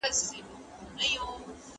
د ارغنداب سیند پرته د کندهار بڼه بله ده